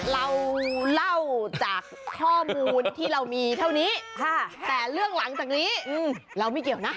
เราเล่าจากข้อมูลที่เรามีเท่านี้แต่เรื่องหลังจากนี้เราไม่เกี่ยวนะ